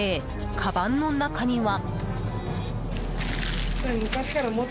かばんの中には。